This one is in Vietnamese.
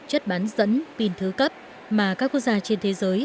chất bán dẫn pin thứ cấp mà các quốc gia trên thế giới